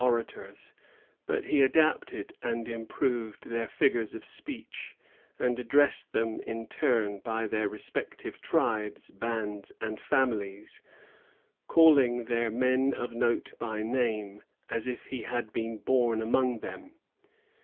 67 orators, but he adopted and improved their figures ol speech, and addressed them in turn by their respective tribes, bands, and families, calling their men of note by name, as if he had been bom among them.